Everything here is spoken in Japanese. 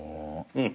うん。